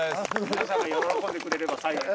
皆さんが喜んでくれれば幸い。